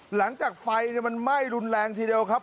หลังจากไฟมันไหม้รุนแรงทีเดียวครับ